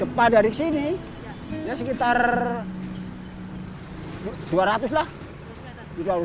depan dari sini sekitar dua ratus meter